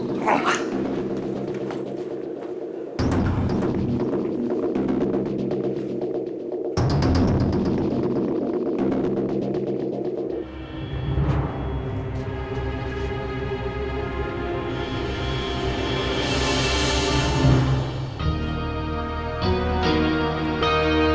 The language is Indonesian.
kamu juga kena